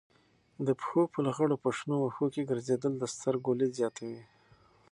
د پښو په لغړو په شنو وښو ګرځېدل د سترګو لید زیاتوي.